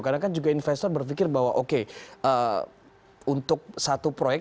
karena kan juga investor berpikir bahwa oke untuk satu proyek